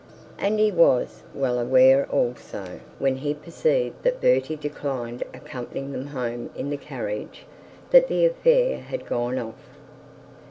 And he was thus well aware also, when he perceived that Bertie declined accompanying them home in the carriage, that the affair had gone off.